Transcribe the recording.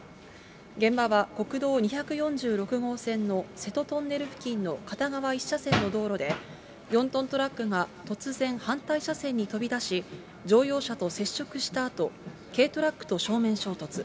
現場は国道２４６号線の瀬戸トンネル付近の片側１車線の道路で、４トントラックが突然、反対車線に飛び出し、乗用車と接触したあと、軽トラックと正面衝突。